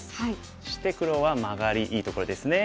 そして黒はマガリいいところですね。